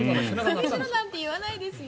まねしろなんて言わないですよ。